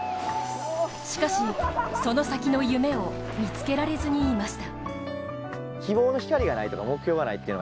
しかし、その先の夢を見つけられずにいました。